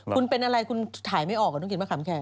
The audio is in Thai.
คุณเป็นอะไรคุณถ่ายไม่ออกต้องกินมะขามแขก